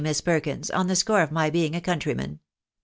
Miss Perkins, on the score of my being a countryman."